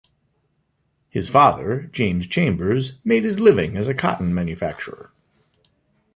His father, James Chambers, made his living as a cotton manufacturer.